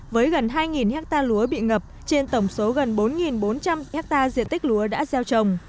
với gần hai hectare lúa bị ngập trên tổng số gần bốn bốn trăm linh hectare diện tích lúa đã gieo trồng